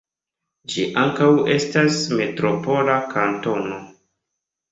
Ĝi ankaŭ estas metropola kantono.